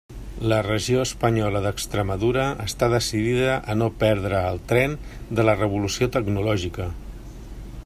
La regió espanyola d'Extremadura està decidida a no perdre el tren de la revolució tecnològica.